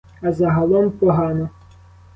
А загалом — погано.